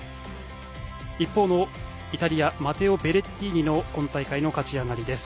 一方、イタリアのマテオ・ベレッティーニの今大会の勝ち上がりです。